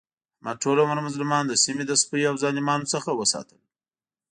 احمد ټول عمر مظلومان د سیمې له سپیو او ظالمانو څخه وساتل.